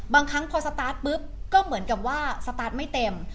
บางครั้งพอสตาร์ทปุ๊บก็เหมือนกับว่าสตาร์ทไม่เต็ม